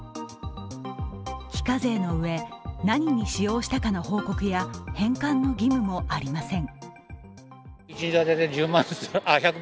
非課税のうえ、何に使用したかの報告や返還の義務もありません。